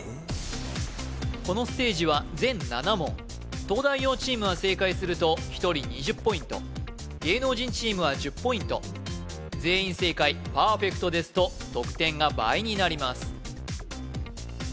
このステージは全７問東大王チームは正解すると１人２０ポイント芸能人チームは１０ポイント全員正解パーフェクトですと得点が倍になります